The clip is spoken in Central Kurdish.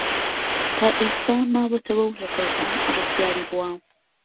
تا ئێستە ماوەتەوە و لە فەوتان ڕزگاری بووە.